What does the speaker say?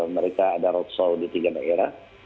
mereka ada roadshow di tiga daerah